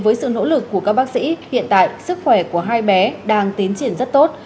với sự nỗ lực của các bác sĩ hiện tại sức khỏe của hai bé đang tiến triển rất tốt